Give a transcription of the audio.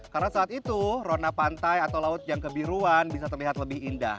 karena saat itu rona pantai atau laut yang kebiruan bisa terlihat lebih indah